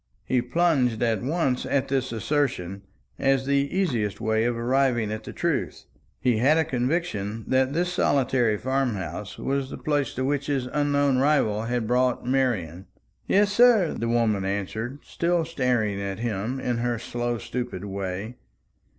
He plunged at once at this assertion, as the easiest way of arriving at the truth. He had a conviction that this solitary farm house was the place to which his unknown rival had brought Marian. "Yes, sir," the woman answered, still staring at him in her slow stupid way.